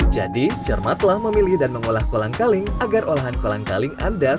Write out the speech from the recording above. jadi cermatlah memilih dan mengolah kolang kaling agar olahan kolang kaling anda